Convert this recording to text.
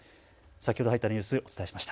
先ほど入ったニュース、お伝えしました。